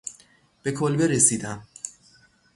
به کلبه رسیدم.